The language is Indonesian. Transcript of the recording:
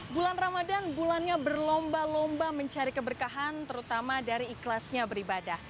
bulan ramadan bulannya berlomba lomba mencari keberkahan terutama dari ikhlasnya beribadah